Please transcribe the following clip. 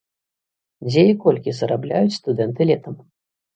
Дзе і колькі зарабляюць студэнты летам?